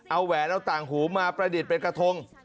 เอาแหวนเอาต่างหูมาประดิษฐ์เป็นกระทง